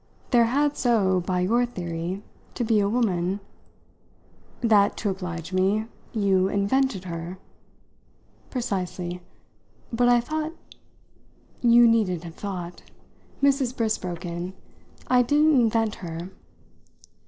There had so, by your theory, to be a woman " "That, to oblige me, you invented her? Precisely. But I thought " "You needn't have thought!" Mrs. Briss broke in. "I didn't invent her."